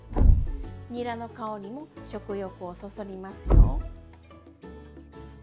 にらの香りも食欲をそそりますよ。